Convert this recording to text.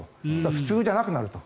普通じゃなくなると。